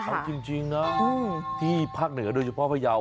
เอาจริงนะที่ภาคเหนือโดยเฉพาะพยาว